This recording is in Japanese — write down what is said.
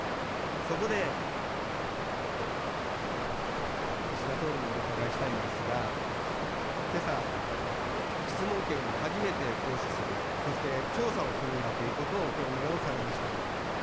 そこで、岸田総理にお伺いしたいんですが、けさ、質問権を初めて行使する、そして調査をするんだということを表明をされました。